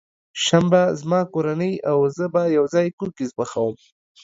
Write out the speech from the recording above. شنبه، زما کورنۍ او زه به یوځای کوکیز پخوم.